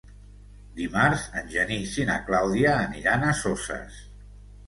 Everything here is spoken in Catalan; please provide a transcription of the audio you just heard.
Dimarts en Genís i na Clàudia aniran a Soses.